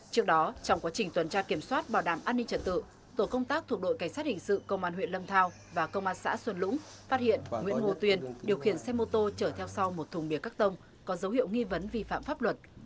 trước đó trong quá trình tuần tra kiểm soát bảo đảm an ninh trật tự tổ công tác thuộc đội cảnh sát hình sự công an huyện lâm thao và công an xã xuân lũng phát hiện nguyễn ngô tuyên điều khiển xe mô tô chở theo sau một thùng bìa cắt tông có dấu hiệu nghi vấn vi phạm pháp luật